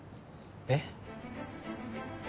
えっ？